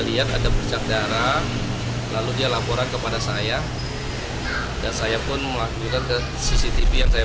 lihat ada bercak darah lalu dia laporan kepada saya dan saya pun melakukan ke cctv yang saya